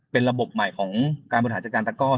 เป็นระบบใหม่ของการปฐาจักรกร